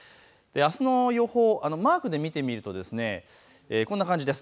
あすの予報をマークで見てみるとこんな感じです。